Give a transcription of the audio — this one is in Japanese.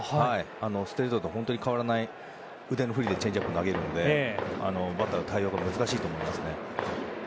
ストレートと変わらない腕の振りでチェンジアップを投げるのでバッターの対応は難しいと思います。